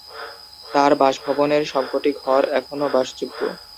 তার বাসভবনের সব কটি ঘর এখনো বাসযোগ্য।